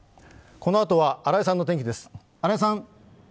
このあとは新井さんの天気です。